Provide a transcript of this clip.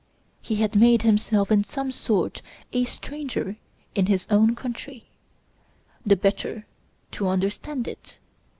He had made himself in some sort a stranger in his own country, the better to understand it.